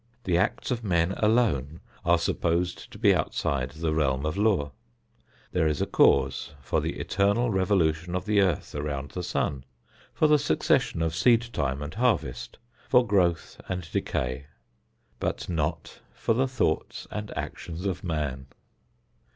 The acts of men alone are supposed to be outside the realm of law. There is a cause for the eternal revolution of the earth around the sun, for the succession of seed time and harvest, for growth and decay; but not for the thoughts and actions of man.